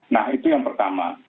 nah itu yang pertama